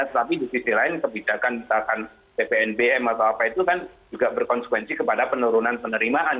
tetapi di sisi lain kebijakan misalkan ppnbm atau apa itu kan juga berkonsekuensi kepada penurunan penerimaan